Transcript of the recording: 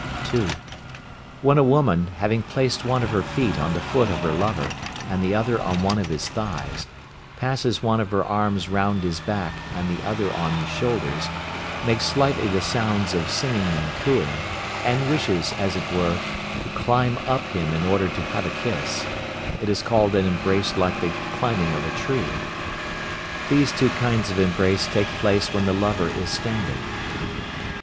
(2). When a woman, having placed one of her feet on the foot of her lover, and the other on one of his thighs, passes one of her arms round his back, and the other on his shoulders, makes slightly the sounds of singing and cooing, and wishes, as it were, to climb up him in order to have a kiss, it is called an embrace like the "climbing of a tree." These two kinds of embrace take place when the lover is standing.